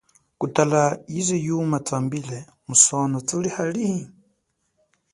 Kutala yize yuma wambile, musono thuli halihi?